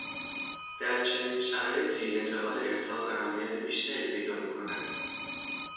در چنین شرایطی انتقال احساس اهمیت بیشتری پیدا میکند.